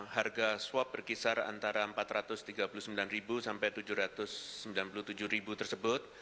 harga swab berkisar antara rp empat ratus tiga puluh sembilan sampai rp tujuh ratus sembilan puluh tujuh tersebut